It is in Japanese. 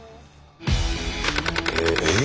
えっ？